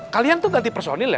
kalian tuh ganti personil ya